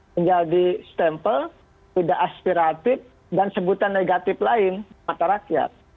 menjadi stempel tidak aspiratif dan sebutan negatif lain mata rakyat